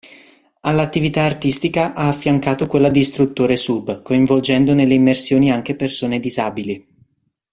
All'attività artistica ha affiancato quella di istruttore sub, coinvolgendo nelle immersioni anche persone disabili.